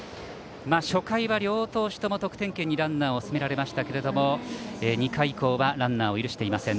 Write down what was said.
初回は両投手とも得点圏にランナーを進められましたけれども２回以降はランナーを許していません。